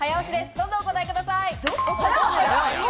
どんどんお答えください。